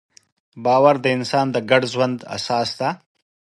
باور د انسان د ګډ ژوند اساس دی.